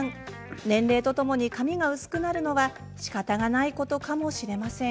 年齢とともに髪が薄くなるのはしかたがないことかもしれません。